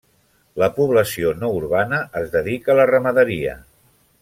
La població no urbana es dedica a la ramaderia.